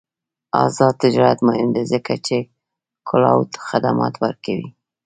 آزاد تجارت مهم دی ځکه چې کلاؤډ خدمات ورکوي.